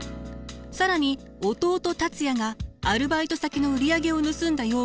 更に弟達也がアルバイト先の売り上げを盗んだ容疑で逮捕。